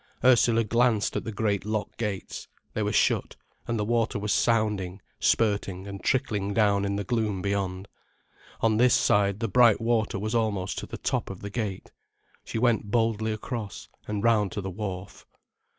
Ursula glanced at the great lock gates. They were shut, and the water was sounding, spurting and trickling down in the gloom beyond. On this side the bright water was almost to the top of the gate. She went boldly across, and round to the wharf.